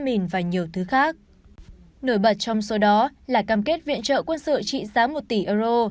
mìn và nhiều thứ khác nổi bật trong số đó là cam kết viện trợ quân sự trị giá một tỷ euro